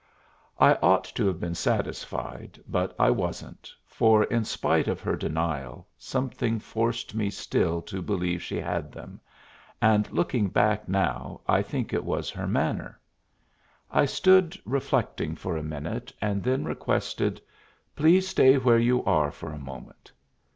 I ought to have been satisfied, but I wasn't, for, in spite of her denial, something forced me still to believe she had them, and looking back now, I think it was her manner. I stood reflecting for a minute, and then requested, "Please stay where you are for a moment."